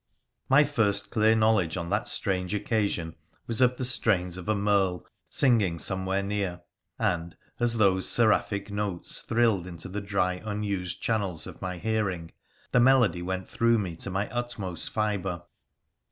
My first clear knowledge on that strange occasion was of the strains of a merle singing somewhere near ; and, as those seraphic notes thrilled into the dry, unused channels of my hearing, the melody went through me to my utmost fibre.